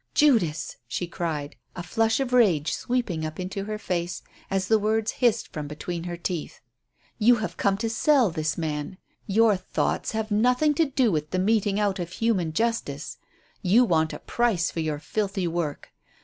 "Judas!" she cried, a flush of rage sweeping up into her face as the words hissed from between her teeth. "You have come to sell this man. Your thoughts have nothing to do with the meting out of human justice. You want a price for your filthy work.